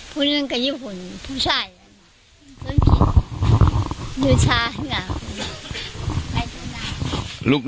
ปุ๊ยหนึ่งกับญี่ปุ่นผู้ชายนะ